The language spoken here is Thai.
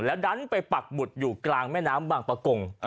แล้วดันไปปักหมุดอยู่กลางแม่น้ำบางประกง